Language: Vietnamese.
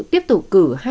tiếp tục cử hai mươi một